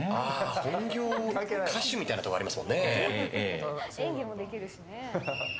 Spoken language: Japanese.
本業・歌手みたいなところありますもんね。